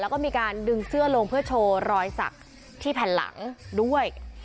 แล้วก็มีการดึงเสื้อลงเพื่อโชว์รอยสักที่แผ่นหลังด้วย